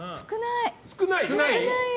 少ないよ。